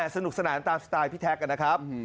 สนุกสนานตามสไตล์พี่แท็กนะครับ